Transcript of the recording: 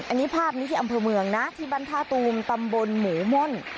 อันนี้ภาพนี้ที่อำเภอเมืองนะที่บ้านท่าตูมตำบลหมูม่อน